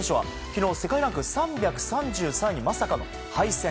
昨日、世界ランク３３３位にまさかの敗戦。